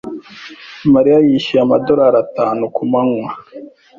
Mariya yishyuye amadorari atanu kumanywa.